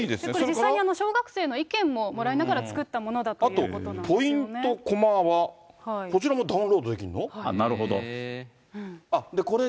実際に小学生の意見ももらいながら作ったものだということなあと、ポイント・コマは、こちらもダウンロードできるの？